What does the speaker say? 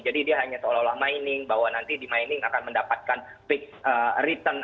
jadi dia hanya seolah olah mining bahwa nanti di mining akan mendapatkan return